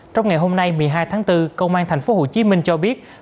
trong ngày hôm nay một mươi hai tháng bốn công an thành phố hồ chí minh cho biết